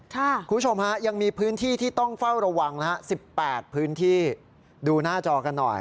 คุณผู้ชมฮะยังมีพื้นที่ที่ต้องเฝ้าระวังนะฮะ๑๘พื้นที่ดูหน้าจอกันหน่อย